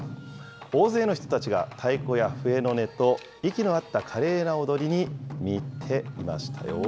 大勢の人たちが太鼓や笛の音と、息の合った華麗な踊りに見入っていましたよ。